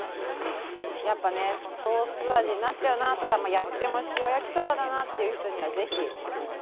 やっぱねソース味になっちゃうなとかやっても塩焼きそばだなっていう人には是非。